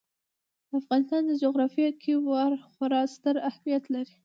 د افغانستان په جغرافیه کې واوره خورا ستر اهمیت لري.